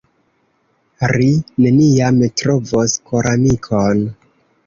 "Ri neniam trovos koramikon."